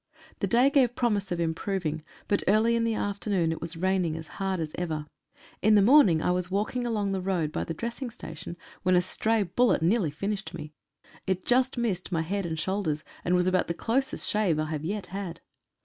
The day gave promise of improv ing, but early in the afternoon it was raining as hard as ever. In the morning I was walking along the road by the dressing station when a stray bullet nearly finished me. It just missed my head and shoulders, and was about the closest shave I have yet had.